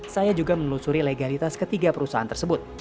saya juga menelusuri legalitas ketiga perusahaan tersebut